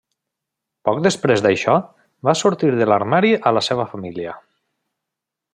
Poc després d'això, va sortir de l'armari a la seva família.